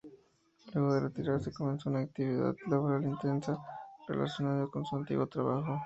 Luego de retirarse comenzó una actividad laboral intensa relacionada con su antiguo trabajo.